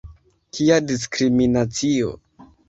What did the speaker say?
Kia diskriminacio